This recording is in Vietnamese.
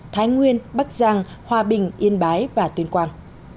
thái nguyên bắc giang hòa bình yên bái và tuyên quang